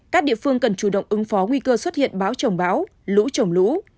các địa phương cần chủ động ứng phó nguy cơ xuất hiện báo trồng báo lũ trồng lũ